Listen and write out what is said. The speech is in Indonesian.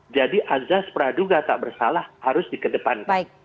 jadi azas peraduga tak bersalah harus dikedepankan